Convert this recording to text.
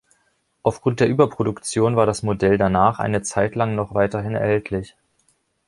Auf Grund der Überproduktion war das Modell danach eine Zeit lang noch weiterhin erhältlich.